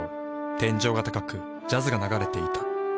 天井が高くジャズが流れていた。